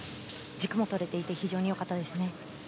軸もとれていて非常に良かったですね。